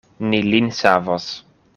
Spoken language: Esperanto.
Ni lin savos.